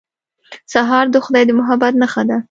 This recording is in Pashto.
سهار د خدای د محبت نښه ده.